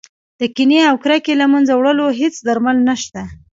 د کینې او کرکې له منځه وړلو هېڅ درمل نه شته.